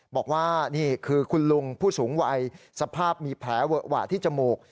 บอกว่านี่คือคุณลุงผู้สูงวัยสภาพมีแผลเวอะหวะที่จมูก